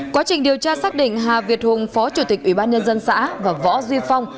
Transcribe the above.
quá trình điều tra xác định hà việt hùng phó chủ tịch ủy ban nhân dân xã và võ duy phong